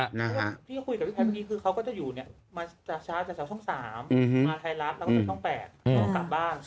พี่ก็คุยกับพี่แพดเมื่อกี้ว่าเขาก็แบบมาช้าที่แชนช่อง๓